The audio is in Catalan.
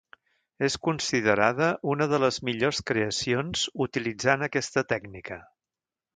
És considerada una de les millors creacions utilitzant aquesta tècnica.